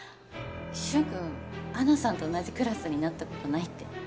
舜くん花さんと同じクラスになった事ないって。